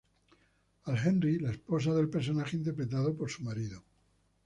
Al Henry, la esposa del personaje interpretado por su marido.